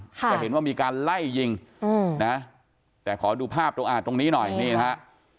จะเห็นว่ามีการไล่ยิงนะแต่ขอดูภาพตรงอ่าตรงนี้หน่อยนี่นะฮะ